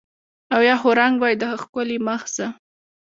او یا خو رنګ وای د ښکلي مخ زه